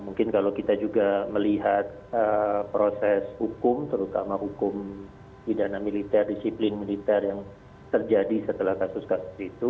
mungkin kalau kita juga melihat proses hukum terutama hukum pidana militer disiplin militer yang terjadi setelah kasus kasus itu